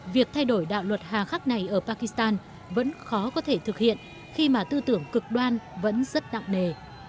việc thay đổi đạo luật hà khắc này ở pakistan vẫn khó có thể thực hiện khi mà tư tưởng cực đoan vẫn rất nặng nề